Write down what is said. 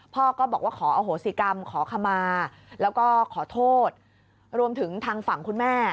พ่อก็บอกว่าขออโหสิกรรมขอขมาแล้วก็ขอโทษรวมถึงทางฝั่งคุณแม่